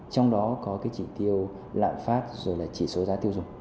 trong đó có cái chỉ tiêu lạm phát rồi là chỉ số giá tiêu dùng